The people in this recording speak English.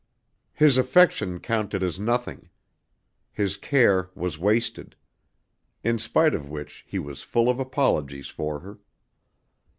His affection counted as nothing. His care was wasted. In spite of which he was full of apologies for her.